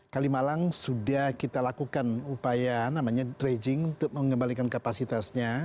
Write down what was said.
kalimalang sudah kita lakukan upaya namanya dredging untuk mengembalikan kapasitasnya